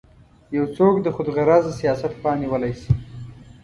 یو څوک د خودغرضه سیاست خوا نیولی شي.